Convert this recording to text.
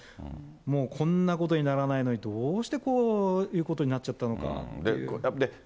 もうこんなことにならないのに、どうしてこういうことになっちゃったのかっていう。